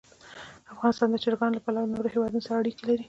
افغانستان د چرګانو له پلوه له نورو هېوادونو سره اړیکې لري.